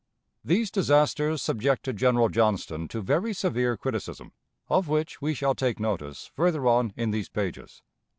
These disasters subjected General Johnston to very severe criticism, of which we shall take notice further on in these pages.